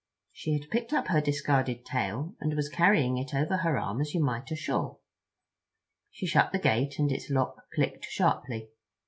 She had picked up her discarded tail and was carrying it over her arm as you might a shawl. She shut the gate, and its lock clicked sharply.